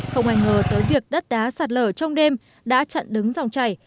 không ai ngờ tới việc đất đá sạt lở trong đêm đã chặn đứng dòng chảy